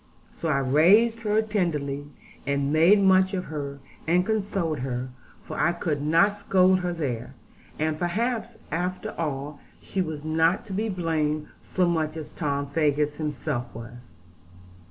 So I raised her tenderly, and made much of her, and consoled her, for I could not scold her there; and perhaps after all she was not to be blamed so much as Tom Faggus himself was.